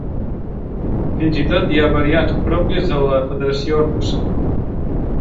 Fins i tot hi ha variants pròpies de la Federació Russa.